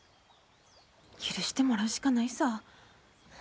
許してもらうしかないさぁ。